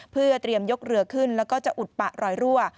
เพื่อเตรียมยกเรือขึ้นแล้วก็จะอุดปะรอยรั่ว